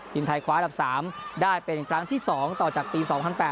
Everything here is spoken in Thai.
ทีมไทยคว้าอันดับ๓ได้เป็นครั้งที่๒ต่อจากปี๒๐๐๘